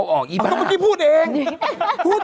เป็นการกระตุ้นการไหลเวียนของเลือด